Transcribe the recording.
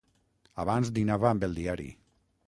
Abans dinava amb el diari.